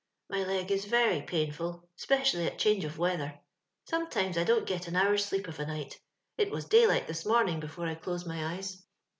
*' My leg is very pamfUl, 'specially at change of weather. Sometimes I don't get an hour's sleep of a night— it was daylight this morning before I dosed my eyes.